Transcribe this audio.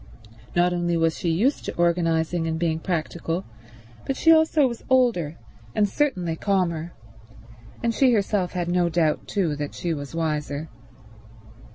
Not only was she used to organizing and being practical, but she also was older, and certainly calmer; and she herself had no doubt too that she was wiser.